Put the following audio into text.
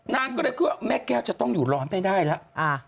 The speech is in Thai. นางก็เลยคิดว่าแม่แก้วจะต้องอยู่ร้อนไปได้แล้ว